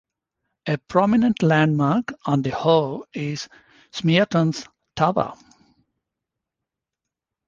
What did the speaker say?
A prominent landmark on the Hoe is Smeaton's Tower.